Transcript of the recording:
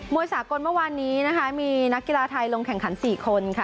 วยสากลเมื่อวานนี้นะคะมีนักกีฬาไทยลงแข่งขัน๔คนค่ะ